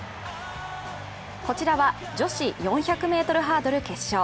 こちらは、女子４００ｍハードル決勝。